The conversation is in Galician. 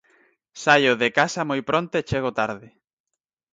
Saio de casa moi pronto e chego tarde.